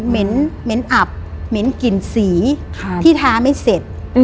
เหม็นอับเหม็นกลิ่นสีที่ทาไม่เสร็จ